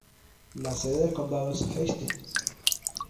La sede del condado es Hastings.